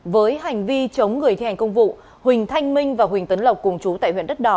với hành vi chống người thi hành công vụ huỳnh thanh minh và huỳnh tấn lộc cùng chú tại huyện đất đỏ